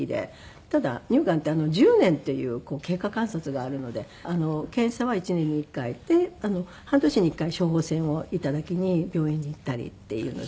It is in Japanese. ただ乳がんって１０年という経過観察があるので検査は１年に１回で半年に１回処方箋を頂きに病院に行ったりっていうので。